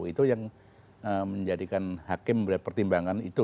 itu yang menjadikan hakim memperhatikan itu